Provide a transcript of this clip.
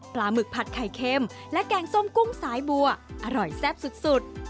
หมึกผัดไข่เค็มและแกงส้มกุ้งสายบัวอร่อยแซ่บสุด